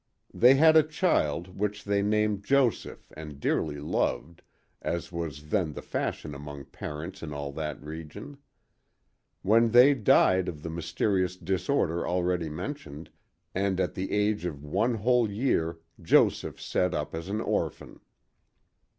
They had a child which they named Joseph and dearly loved, as was then the fashion among parents in all that region. Then they died of the mysterious disorder already mentioned, and at the age of one whole year Joseph set up as an orphan.